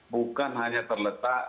bukan hanya terletak